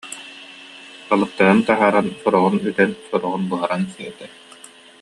Балыктарын таһааран сороҕун үтэн, сороҕун буһаран сиэтэ